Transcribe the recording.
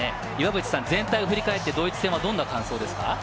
全体を振り返って、どんな感想ですか？